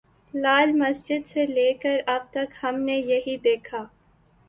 لال مسجد سے لے کر اب تک ہم نے یہی دیکھا۔